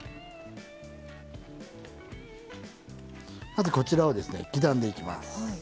まずこちらをですね刻んでいきます。